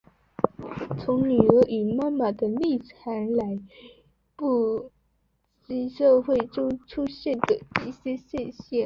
从女儿与妈妈的立场来剖析社会中出现的一些现象。